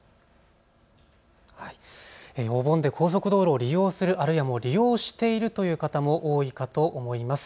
お盆で高速道路を利用する、あるいはもう利用しているという方も多いかと思います。